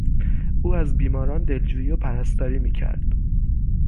او از بیماران دلجویی و پرستاری میکرد.